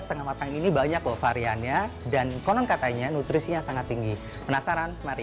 setengah matang ini banyak loh variannya dan konon katanya nutrisinya sangat tinggi penasaran mari